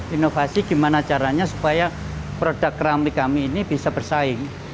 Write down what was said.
inovasi gimana caranya supaya produk ramli kami ini bisa bersaing